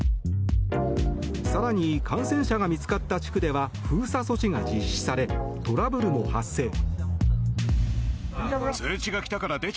更に感染者が見つかった地区では封鎖措置が実施されトラブルも発生。